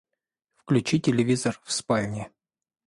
Включи телевизор в спальне.